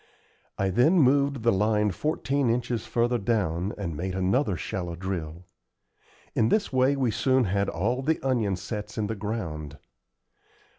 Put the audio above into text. I then moved the line fourteen inches further down and made another shallow drill. In this way we soon had all the onion sets in the ground.